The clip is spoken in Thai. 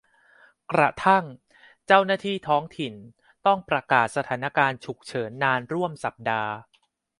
กระทั่งเจ้าหน้าที่ท้องถิ่นต้องประกาศสถานการณ์ฉุกเฉินนานร่วมสัปดาห์